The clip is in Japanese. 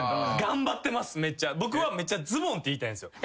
僕はめっちゃズボンって言いたいんすよ。